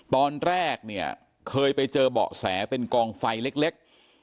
ตอนแรกเนี่ยเคยไปเจอเบาะแสเป็นกองไฟเล็ก